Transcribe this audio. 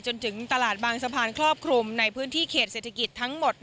จนถึงตลาดบางสะพานครอบคลุมในพื้นที่เขตเศรษฐกิจทั้งหมด